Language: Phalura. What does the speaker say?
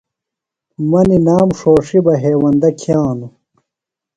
مہ نِنام ݜوݜیۡ بہ ہیوندہ کِھیانوۡ۔